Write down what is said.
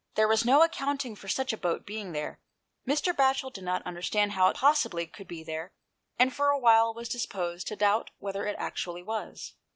There was no accounting for such a boat being there : Mr. Batchel did not understand how it possibly could be there, and for a while was disposed to doubt whether it actually was.